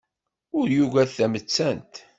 Ur yugad tamettant.